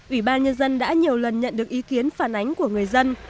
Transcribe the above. ủy ban nhân dân đã nhiều lần nhận được ý kiến phản ánh của người dân